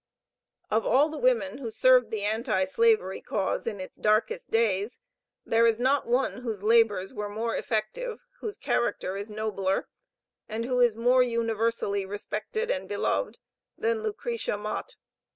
Of all the women who served the Anti slavery cause in its darkest days, there is not one whose labors were more effective, whose character is nobler, and who is more universally respected and beloved, than Lucretia Mott.